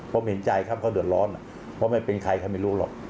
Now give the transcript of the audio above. ผมเห็นใจครับเขาเดือดร้อนเพราะไม่เป็นใครใครไม่รู้หรอก